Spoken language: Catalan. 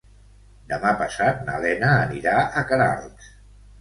Demà passat na Lena anirà a Queralbs.